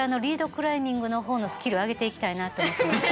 クライミングの方のスキルを上げていきたいなと思ってまして。